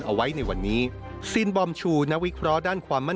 การพบกันในวันนี้ปิดท้ายด้วยการรับประทานอาหารค่ำร่วมกัน